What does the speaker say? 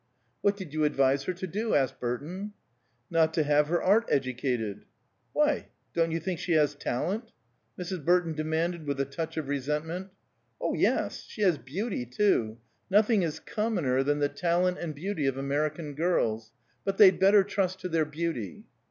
"What did you advise her to do?" asked Burton. "Not to have her art educated." "Why, don't you think she has talent?" Mrs. Burton demanded, with a touch of resentment. "Oh, yes. She has beauty, too. Nothing is commoner than the talent and beauty of American girls. But they'd better trust to their beauty."